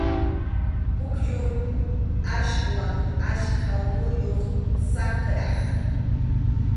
Pukyum aswan achka unuyuq, saqrap.